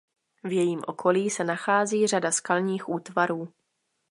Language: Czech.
V jejím okolí se nachází řada skalních útvarů.